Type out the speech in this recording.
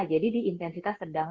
jadi di intensitas sedang